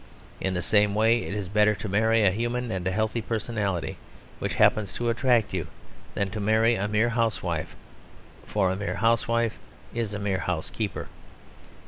In the same way it is better to marry a human and healthy personality which happens to attract you than to marry a mere housewife; for a mere housewife is a mere housekeeper.